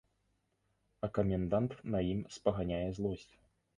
А камендант на ім спаганяе злосць.